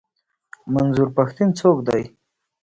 منظور پښتين څوک دی؟